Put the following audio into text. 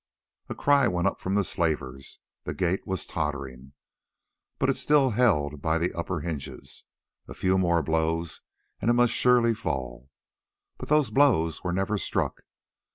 A cry went up from the slavers; the gate was tottering, but it still held by the upper hinges. A few more blows and it must surely fall. But those blows were never struck.